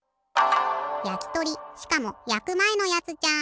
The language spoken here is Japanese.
やきとりしかもやくまえのやつじゃん。